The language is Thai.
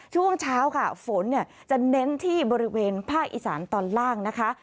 ช่วงเช้าค่ะฝนเนี่ยจะเน้นที่บริเวณภาคอีสานตอนล่างนะคะ